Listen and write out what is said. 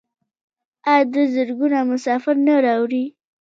آیا دوی زرګونه مسافر نه راوړي؟